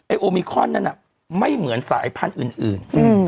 โอมิคอนนั้นไม่เหมือนสายพันธุ์อื่น